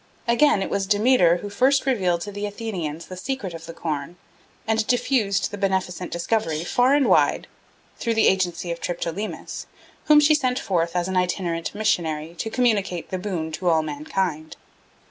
Again, it was Demeter who first revealed to the Athenians the secret of the corn and diffused the beneficent discovery far and wide through the agency of Triptolemus, whom she sent forth as an itinerant missionary to communicate the boon to all mankind.